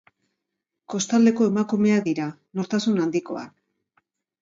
Kostaldeko emakumeak dira, nortasun handikoak.